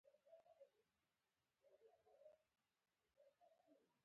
بامیان ډیر سوړ ژمی لري